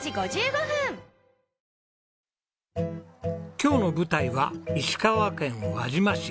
今日の舞台は石川県輪島市。